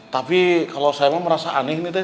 tapi kalau saya mah merasa aneh nih teh